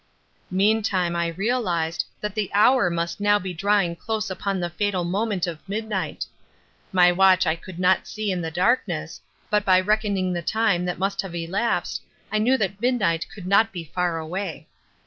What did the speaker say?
Meantime I realized that the hour must now be drawing close upon the fatal moment of midnight. My watch I could not see in the darkness, but by reckoning the time that must have elapsed I knew that midnight could not be far away.